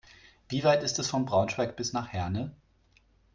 Wie weit ist es von Braunschweig bis nach Herne?